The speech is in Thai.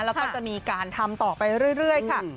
แล้วก็จะมีการทำต่อไปเรื่อยค่ะ